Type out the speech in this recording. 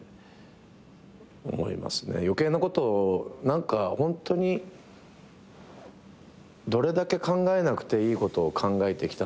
余計なことを何かホントにどれだけ考えなくていいことを考えてきたんだろうなっていう。